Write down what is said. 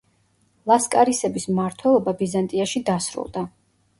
ლასკარისების მმართველობა ბიზანტიაში დასრულდა.